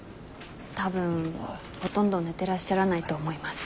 多分。ほとんど寝てらっしゃらないと思います。